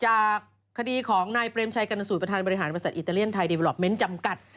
แต่คดีของนายเปลมชัยกรรนาสุรประธานบริหารประศนาอิตาเลี่ยนไทยแต่ล็อบเม้นท์จำกัด